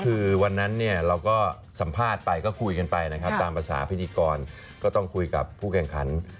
คือวันนั้นเนี่ยเราก็สัมภาษณ์ไปก็คุยกันไปนะครับตามภาษาพิธีกรก็ต้องคุยกับผู้แข่งขัน